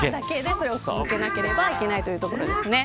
それを続けなければいけないというところですね。